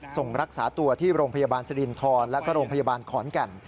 ส่งรักษาตัวที่โรงพยาบาลสรินทรและก็โรงพยาบาลขอนแก่น